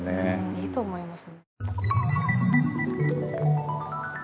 いいと思います。